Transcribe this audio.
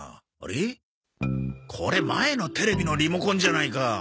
これ前のテレビのリモコンじゃないか。